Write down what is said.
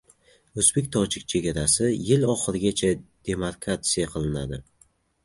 O‘zbek-tojik chegarasi yil oxirigacha demarkatsiya qilinadi